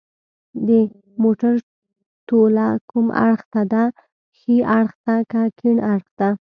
د موټر توله کوم اړخ ته ده ښي اړخ که کیڼ اړخ ته